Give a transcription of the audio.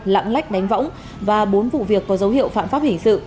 lãng lách đánh võng và bốn vụ việc có dấu hiệu phạm pháp hình sự